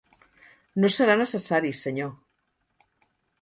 No serà necessari, senyor.